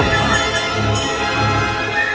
tuan awas tuan